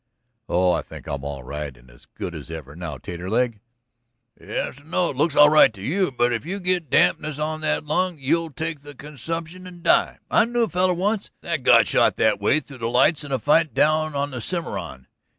"Oh, I think I'm all right and as good as ever now, Taterleg." "Yes, it looks all right to you, but if you git dampness on that lung you'll take the consumption and die. I knew a feller once that got shot that way through the lights in a fight down on the Cimarron.